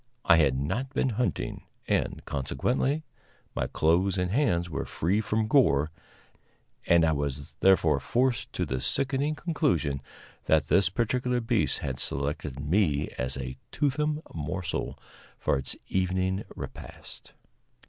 I had not been hunting, and, consequently, my clothes and hands were free from gore, and I was therefore forced to the sickening conclusion that this particular beast had selected me as a toothsome morsel for its evening repast.